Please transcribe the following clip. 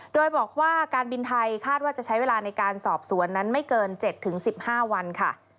โดยบอกว่าการบินไทยคาดว่าจะใช้เวลาในการสอบสวนนั้นไม่เกิน๗๑๕วันค่ะ